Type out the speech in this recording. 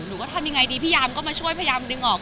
หนูก็ทำยังไงดีพี่ยามมาช่วยดึงออก